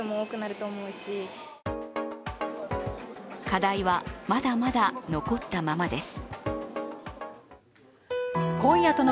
課題はまだまだ残ったままです。